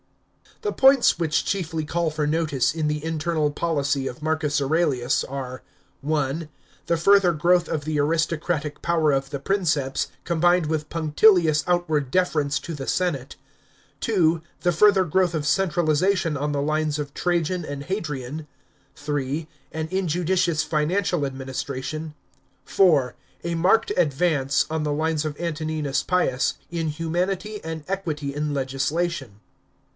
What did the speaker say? § 4. The points which chiefly call for notice in the internal policy of Marcus Aurelius are (1) the further growth of the aristo cratic power of the Princeps, combined with punctilious outward deference to the senate ; (2) the further growth of centralisation on the lines of Trajan and Hadrian ; (3) an injudicious financial ad ministration ; (4) a marked advance, on the lines of Antoninus Pius, in humanity and equity in legislation.